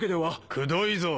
くどいぞ！